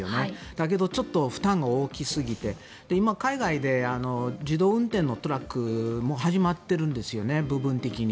だけどちょっと負担が大きすぎて今、海外で自動運転のトラックも始まってるんです、部分的に。